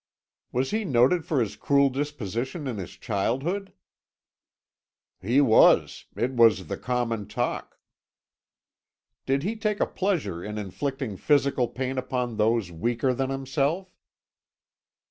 "Was he noted for his cruel disposition in his childhood?" "He was; it was the common talk." "Did he take a pleasure in inflicting physical pain upon those weaker than himself?"